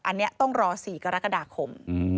อันนี้ต้องรอ๔กรกฎาคม